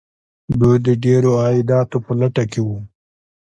دوی د ډیرو عایداتو په لټه کې وو.